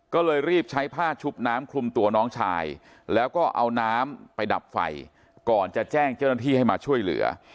ก็เลยรีบใช้ผ้าชุบน้ำคลุมตัวน้องชายแล้วก็เอาน้ำไปดับไฟก่อนจะแจ้งเจ้าหน้าที่ให้มาช่วยเหลือ